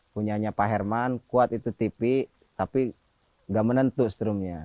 punyanya pak herman kuat itu tv tapi nggak menentu strumnya